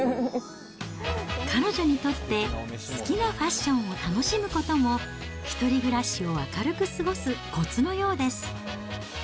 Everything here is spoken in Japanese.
彼女にとって、好きなファッションを楽しむことも１人暮らしを明るく過ごすこつのようです。